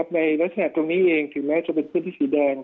ในลักษณะตรงนี้เองถึงแม้จะเป็นพื้นที่สีแดง